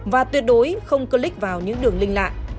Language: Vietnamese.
và tuyệt đối không click vào những đường link lạ